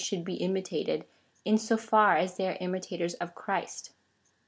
353 slioiild be imitated, in so far as they are imitators of Christ.